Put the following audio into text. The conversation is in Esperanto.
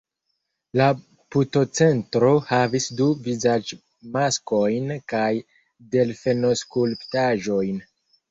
La putocentro havis du vizaĝmaskojn kaj delfenoskulptaĵojn.